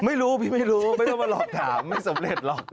ไม่รู้พี่ไม่รู้ไม่ต้องมาหลอกถามไม่สำเร็จหรอก